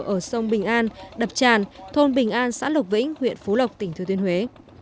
ở sông bình an đập tràn thôn bình an xã lộc vĩnh huyện phú lộc tỉnh thừa thiên huế